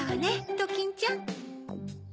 ドキンちゃん。